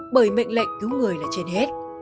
bởi mệnh lệnh cứu người là trên hết